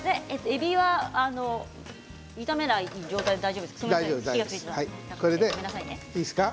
えびは炒めない状態で大丈夫ですか？